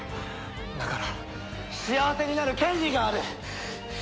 だから幸せになる権利がある！